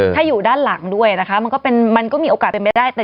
ถ้าอยู่ด้านหลังด้วยนะคะมันก็มีโอกาสเป็นไปได้